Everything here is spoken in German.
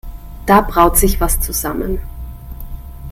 Da braut sich was zusammen.